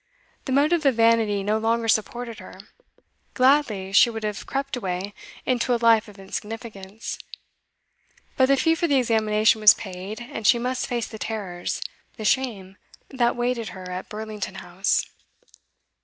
The motive of vanity no longer supported her; gladly she would have crept away into a life of insignificance; but the fee for the examination was paid, and she must face the terrors, the shame, that waited her at Burlington House.